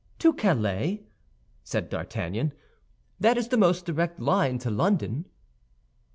"To Calais," said D'Artagnan; "that is the most direct line to London."